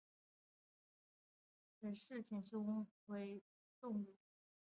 沈氏浅胸溪蟹为溪蟹科浅胸溪蟹属的动物。